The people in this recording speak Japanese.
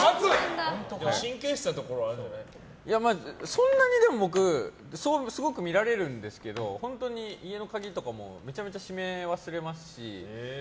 そんなに僕そうすごく見られるんですけど本当に家の鍵とかもめちゃめちゃ閉め忘れますし。